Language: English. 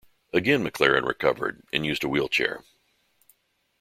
Again MacLaren recovered, and used a wheelchair.